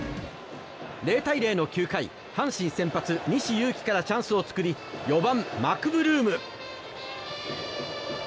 ０対０の９回阪神先発、西勇輝からチャンスを作り４番、マクブルーム。